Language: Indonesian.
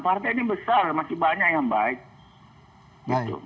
partai ini besar masih banyak yang baik